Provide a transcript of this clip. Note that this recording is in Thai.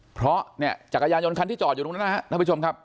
เพราะเนี่ยจักรยานยนต์คันที่จอดอยู่ตรงนั้นนะครับท่านผู้ชมครับ